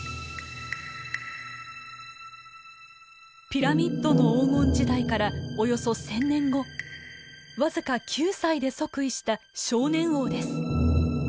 ピラミッドの黄金時代からおよそ１，０００年後僅か９歳で即位した少年王です。